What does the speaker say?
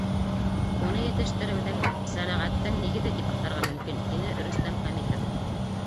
Уны етештереүҙең, сәнәғәттең нигеҙе тип атарға мөмкин, — тине Рөстәм Хәмитов.